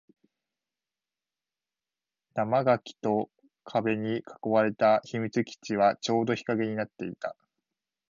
生垣と壁に囲われた秘密基地はちょうど日陰になっていた